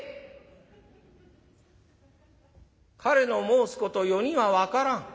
「彼の申すこと余には分からん。